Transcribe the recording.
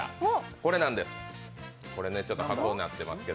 これなんです。